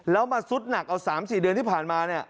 แล้วมาซุดหนักเอา๓๔เดือนที่ผ่านมาเนี่ย